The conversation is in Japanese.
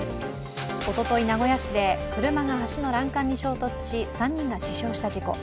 おととい、名古屋市で車が橋の欄干に衝突し３人が死傷した事故。